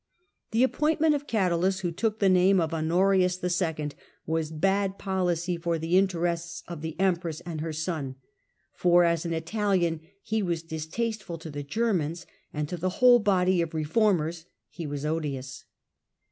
The appointment of Cadalus, who took the name of Honorius II., was bad policy for the interests of the empress and her son, for as an Italian he was dis tasteful to the Germans, and to the whole body of re formers he was odious.